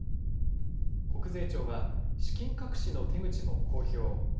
国税庁は、資金隠しの手口も公表。